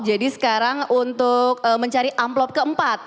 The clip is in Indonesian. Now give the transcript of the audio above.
jadi sekarang untuk mencari amplop keempat